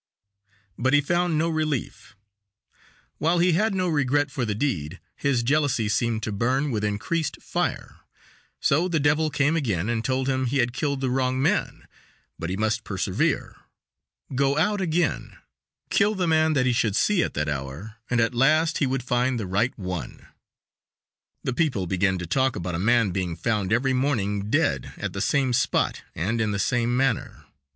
But he found no relief. While he had no regret for the deed, his jealousy seemed to burn with increased fire: so the devil came again and told him he had killed the wrong man, but he must persevere go out again, kill the man that he should see at that hour, and at last he would find the right one; the people began to talk about a man being found every morning dead at the same spot and in the same manner.